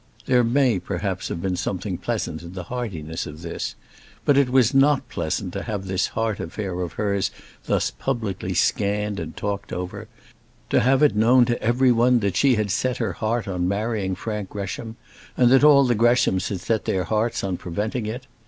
There may, perhaps, have been something pleasant in the heartiness of this; but it was not pleasant to have this heart affair of hers thus publicly scanned and talked over: to have it known to every one that she had set her heart on marrying Frank Gresham, and that all the Greshams had set their hearts on preventing it.